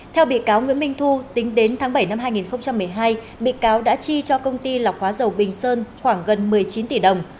theo bị cáo nguyễn minh thu tính đến tháng bảy năm hai nghìn một mươi hai bị cáo đã chi cho công ty lọc hóa dầu bình sơn khoảng gần một mươi chín tỷ đồng